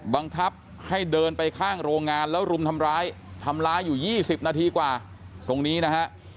บังคับให้เดินไปข้างโรงงานแล้วรุมทำร้ายทำร้ายอยู่๒๐นาทีกว่าตรงนี้นะฮะ